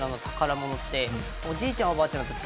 おじいちゃんおばあちゃんだったら。